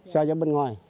so với bên ngoài